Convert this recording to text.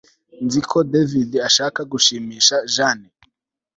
Nzi ko David ashaka gushimisha Jane